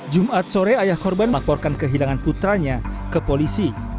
jumat sore ayah korban melaporkan kehilangan putranya ke polisi